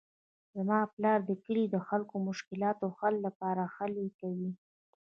زما پلار د کلي د خلکو د مشکلاتو د حل لپاره هلې کوي